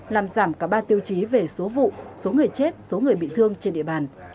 làm giảm cả ba tiêu chí về số vụ số người chết số người bị thương trên địa bàn